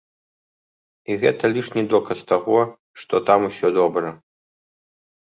І гэта лішні доказ таго, што там усё добра.